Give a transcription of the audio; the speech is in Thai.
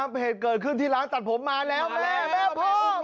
โอ้โฮนี้ครับเหตุเกิดขึ้นที่ร้านตัดผมมาแล้วแม่พ่อ